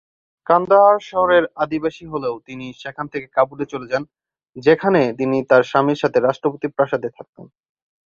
কান্দাহার শহরের আদিবাসী হলেও তিনি সেখান থেকে কাবুলে চলে যান যেখানে তিনি তার স্বামীর সাথে রাষ্ট্রপতি প্রাসাদে থাকতেন।